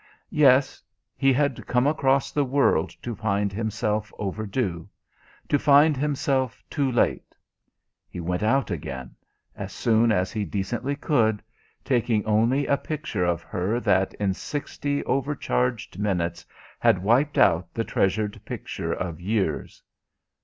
Yes, he had come across the world to find himself overdue; to find himself too late. He went out again as soon as he decently could taking only a picture of her that in sixty over charged minutes had wiped out the treasured picture of years.